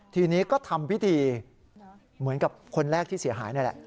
ทีนี้ก็ทำพิธีเหมือนกับคนแรกที่เสียหายนี่แหละ